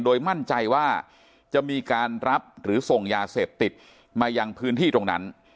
โดยมั่นใจว่าจะมีการรับหรือส่งยาเสพติดมายังพื้นที่ตรงนั้น